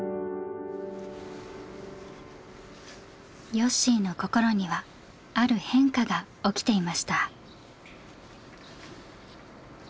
よっしーの心にはある変化が起きていました。